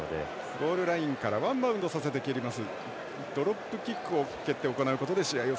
ボールラインからワンバウンドさせて蹴ります。